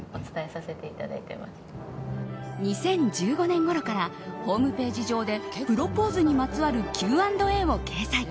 ２０１５年ごろからホームページ上でプロポーズにまつわるＱ＆Ａを掲載。